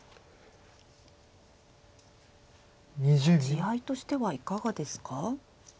地合いとしてはいかがですか？